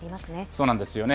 そうなんですよね。